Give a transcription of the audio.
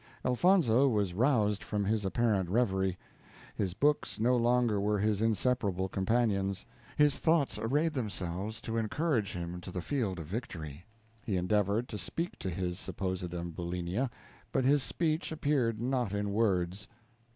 Elfonzo was roused from his apparent reverie. His books no longer were his inseparable companions his thoughts arrayed themselves to encourage him in the field of victory. He endeavored to speak to his supposed Ambulinia, but his speech appeared not in words.